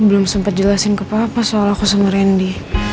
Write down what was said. belum sempat jelasin ke papa soal aku sama randy